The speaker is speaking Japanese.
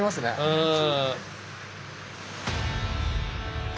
うん。